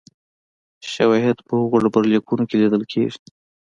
شواهد په هغو ډبرلیکونو کې لیدل کېږي